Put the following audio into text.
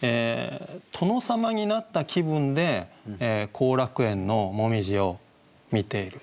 殿様になった気分で後楽園の紅葉を見ている。